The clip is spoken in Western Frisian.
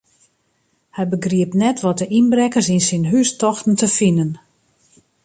Hy begriep net wat de ynbrekkers yn syn hús tochten te finen.